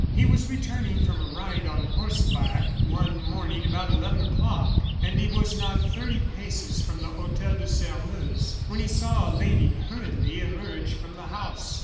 He was returning from a ride on horseback one morning about eleven o'clock, and he was not thirty paces from the Hotel de Sairmeuse when he saw a lady hurriedly emerge from the house.